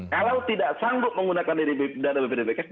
kalau tidak sanggup menggunakan dana bpdpks